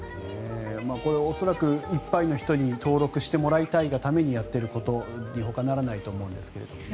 これ、恐らくいっぱいの人に登録してもらいたいがためにやっていることにほかならないと思うんですけどね。